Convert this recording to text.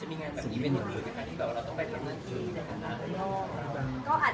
คุณที่ไม่ได้ชวนได้ชวนกล่าว